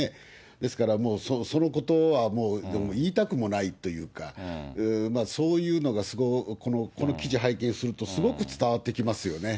ですからもう、そのことはもう言いたくもないというか、そういうのがこの記事拝見すると、すごく伝わってきますよね。